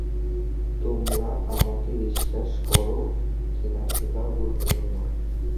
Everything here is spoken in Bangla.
তোমরা আমাকে বিশ্বাস করো কিনা সেটা গুরুত্বপূর্ন?